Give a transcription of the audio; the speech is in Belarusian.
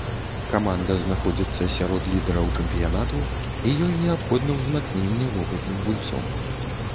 Каманда знаходзіцца сярод лідараў чэмпіянату і ёй неабходна ўзмацненне вопытным гульцом.